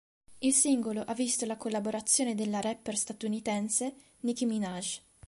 Il singolo ha visto la collaborazione della rapper statunitense Nicki Minaj.